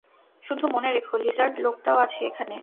শুধু মনে রেখো, লিজার্ড লোকটাও আছে এখানে।